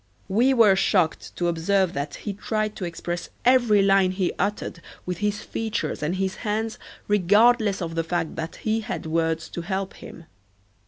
We were shocked to observe that he tried to express every line he uttered with his features and his hands regardless of the fact that he had words to help him.